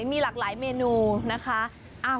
มีหลากหลายเมนูนะคะ